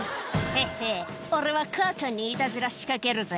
「ヘッヘ俺は母ちゃんにいたずら仕掛けるぜ」